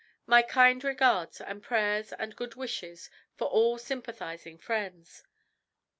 My kind regards and prayers and good wishes for all sympathising friends.